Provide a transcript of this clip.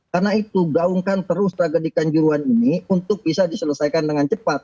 karena itu gaungkan terus tragedikan juruhan ini untuk bisa diselesaikan dengan cepat